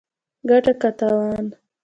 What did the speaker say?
ګټه که تاوان